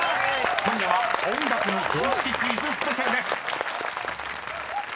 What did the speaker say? ［今夜は音楽の常識クイズスペシャルです］